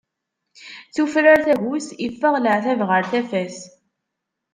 Tufrar tagut, iffeɣ leɛtab ɣeṛ tafat.